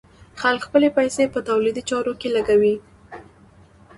خلک خپلې پيسې په تولیدي چارو کې لګوي.